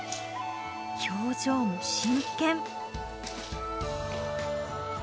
表情も真剣。